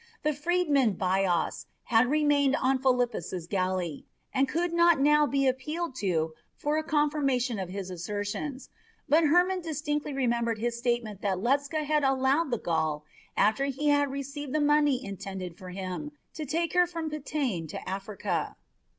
The freedman Bias had remained on Philippus's galley, and could not now be appealed to for a confirmation of his assertions, but Hermon distinctly remembered his statement that Ledscha had allowed the Gaul, after he had received the money intended for him, to take her from Pitane to Africa.